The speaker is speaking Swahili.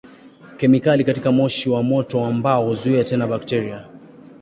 Kemikali katika moshi wa moto wa mbao huzuia tena bakteria.